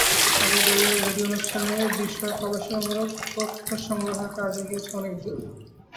তবে রেডিও অনুষ্ঠান বিষয়ে গবেষণামূলক তথ্য সংগ্রহের কাজ এগিয়েছে অনেক দূর।